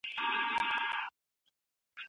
ګړی وروسته نه بادونه نه باران و